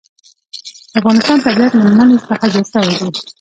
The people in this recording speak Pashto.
د افغانستان طبیعت له منی څخه جوړ شوی دی.